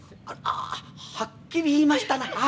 あらはっきり言いましたな。